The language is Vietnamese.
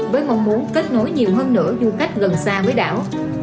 với mong muốn kết nối nhiều hơn nữa du khách gần xa với đảo